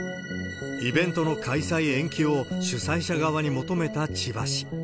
イベントの開催延期を主催者側に求めた千葉市。